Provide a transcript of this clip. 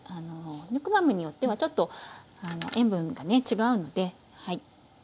ヌクマムによってはちょっと塩分がね違うので。